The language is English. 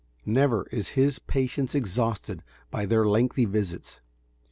Never is his patience exhausted by their lengthy visits.